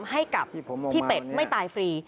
ให้กับพี่เป็ดไม่ตายฟรี